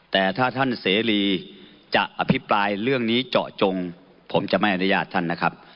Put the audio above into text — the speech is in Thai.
แต่ถ้าท่านเสรีจะอภิปรายเรื่องนี้เจาะจงผมจะไม่อนุญาตท่านนะครับ